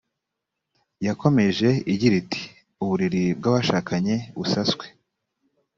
yakomeje igira iti uburiri bw abashakanye busaswe